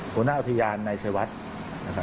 บุญนาอุทยานในชายวัฒน์